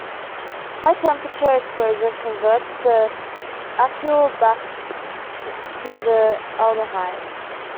High temperature exposure converts the acylal back to the aldehyde.